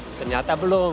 keluar ternyata belum